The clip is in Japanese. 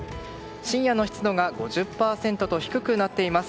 深夜の湿度が５０％と低くなっています。